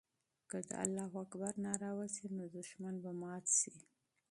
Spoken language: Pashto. که د الله اکبر ناره وسي، نو دښمن به مات سي.